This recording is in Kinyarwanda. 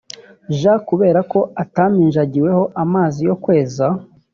j kubera ko ataminjagiweho amazi yo kweza